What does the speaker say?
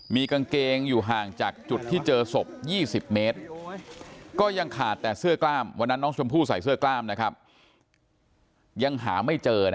มีกางเกงอยู่ห่างจากจุดที่เจอศพ๒๐เมตรก็ยังขาดแต่เสื้อกล้าม